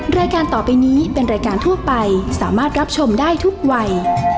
รายการต่อไปนี้เป็นรายการทั่วไปสามารถรับชมได้ทุกวัย